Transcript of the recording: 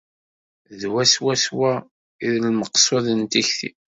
D wa swaswa i d lmeqsud n tekti.